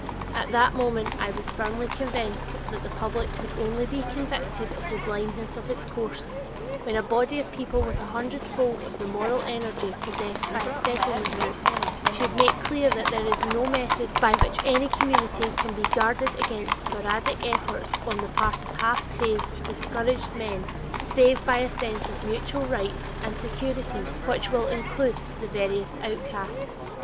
At that moment I was firmly convinced that the public could only be convicted of the blindness of its course, when a body of people with a hundred fold of the moral energy possessed by a Settlement group, should make clear that there is no method by which any community can be guarded against sporadic efforts on the part of half crazed, discouraged men, save by a sense of mutual rights and securities which will include the veriest outcast.